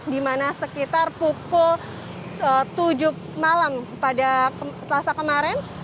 di mana sekitar pukul tujuh malam pada selasa kemarin